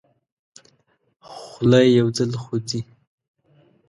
خوله یو ځل خوځي.